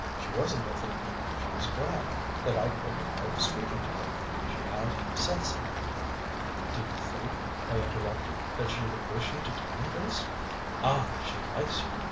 She wasn't offended she was glad that I couldn't help speaking to her; she has said so." "Do you think," I interrupted, "that she would wish you to tell me this?" "Ah, she likes you!"